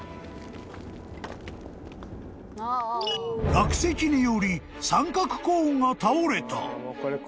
［落石により三角コーンが倒れた］